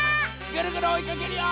ぐるぐるおいかけるよ！